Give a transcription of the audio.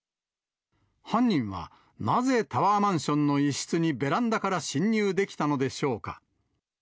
犯人はなぜタワーマンションの一室にベランダから侵入できたのでしょうか。